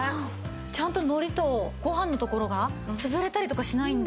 ちゃんと海苔とご飯のところが潰れたりとかしないんで。